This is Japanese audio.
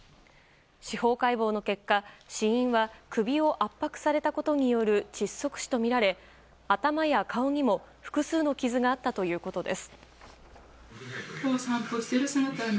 司法解剖の結果死因は首を圧迫されたことによる窒息死とみられ、頭や顔にも複数の傷があったということです。